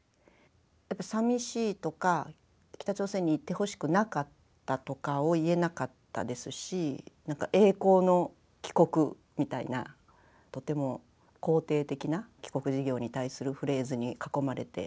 やっぱさみしいとか北朝鮮に行ってほしくなかったとかを言えなかったですしなんか栄光の帰国みたいなとても肯定的な帰国事業に対するフレーズに囲まれて育ったので。